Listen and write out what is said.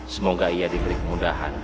semoga ia diberi kemudahan